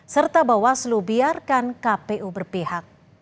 serta bahwa selubiarkan kpu berpihak